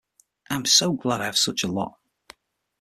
I’m so glad I have such a lot.